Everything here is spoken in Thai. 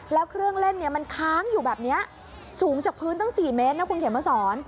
แล้วเครื่องเล่นมันค้างอยู่แบบนี้สูงจากพื้นตั้ง๔เมตรนะคุณเขียนมาสอน